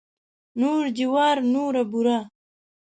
نور جوار نوره بوره.